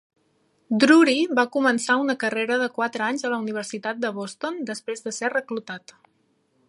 Drury va començar una carrera de quatre anys a la Universitat de Boston després de ser reclutat.